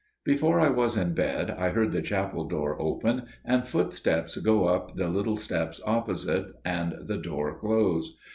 Before I was in bed I heard the chapel door open, and footsteps go up the little steps opposite, and the door close.